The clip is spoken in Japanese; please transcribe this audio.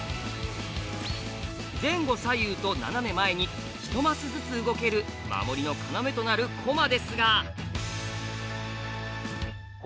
前後左右と斜め前に一マスずつ動ける守りの要となる駒ですが。